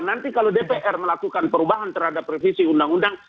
nanti kalau dpr melakukan perubahan terhadap revisi undang undang